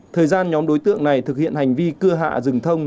thời gian nhóm đối tượng này thực hiện hành vi cưa hạ rừng thông